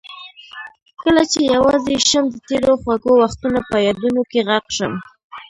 کله چې یوازې شم د تېرو خوږو وختونه په یادونو کې غرق شم.